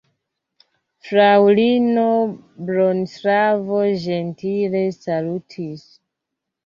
Fraŭlino Bronislavo ĝentile salutis.